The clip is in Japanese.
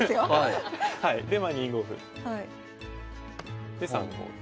でまあ２五歩。で３五歩。